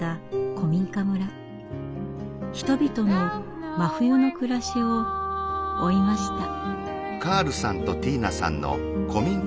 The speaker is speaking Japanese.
人々の真冬の暮らしを追いました。